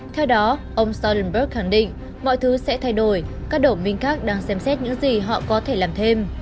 theo đó ông stolenberg khẳng định mọi thứ sẽ thay đổi các đồng minh khác đang xem xét những gì họ có thể làm thêm